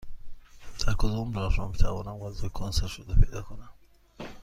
در کدام راهرو می توانم غذای کنسرو شده پیدا کنم؟